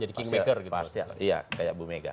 jadi kingmaker gitu iya kayak bu mega